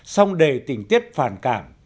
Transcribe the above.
song đề tình tiết phản cảm